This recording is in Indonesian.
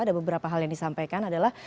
ada beberapa hal yang disampaikan adalah